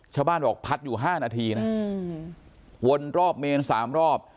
ชาวบ้านบอกพัดอยู่๕นาทีนะวนรอบเมน๓รอบ